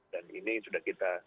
dan ini sudah kita